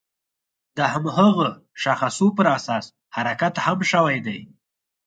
د هماغه شاخصو پر اساس حرکت هم شوی دی.